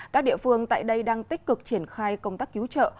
các địa phương tại đây đang tích cực triển khai công tác cứu trợ